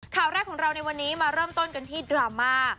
ข่าวแรกของเราในวันนี้มาเริ่มต้นกันที่ดราม่า